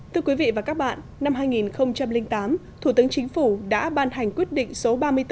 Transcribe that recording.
thưa quý vị và các bạn năm hai nghìn tám thủ tướng chính phủ đã ban hành quyết định số ba mươi bốn